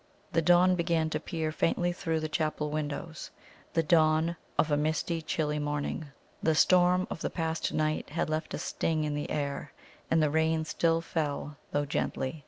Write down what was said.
The dawn began to peer faintly through the chapel windows the dawn of a misty, chilly morning. The storm of the past night had left a sting in the air, and the rain still fell, though gently.